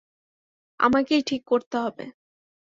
আমাকেই ঠিক করতে হবে।